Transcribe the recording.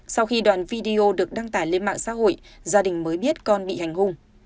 sau khi đoàn video được đăng tải lên mạng xã hội gia đình mới biết con bị hành hùng